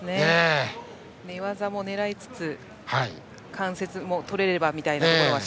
寝技も狙いつつ、関節も取れればというみたいなところが。